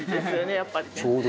やっぱりね。